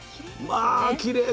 まあきれい。